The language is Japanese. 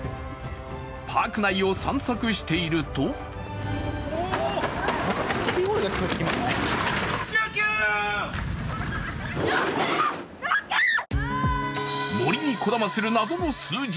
パーク内を散策していると森にこだまする謎の数字。